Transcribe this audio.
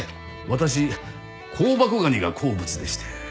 私香箱ガニが好物でして。